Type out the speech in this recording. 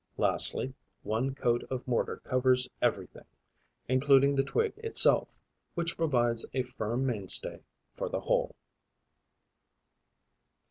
Lastly, one coat of mortar covers everything, including the twig itself, which provides a firm mainstay for the whole.